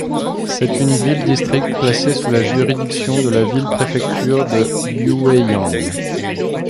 C'est une ville-district placée sous la juridiction de la ville-préfecture de Yueyang.